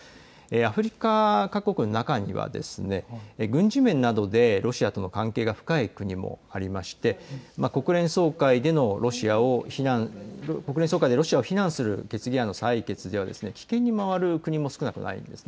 アフリカ各国の中には軍事面などでロシアとの関係が深い国もあって国連総会でロシアを非難する決議案の採決では棄権に回る国も少なくないんです。